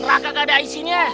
seraka gak ada isinya